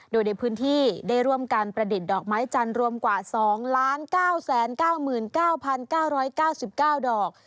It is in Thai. โดยในพื้นที่ได้ร่วมการประดิษฐ์ดอกไม้จันทร์รวมกว่า๒๙๙๙๙๙๙ดอก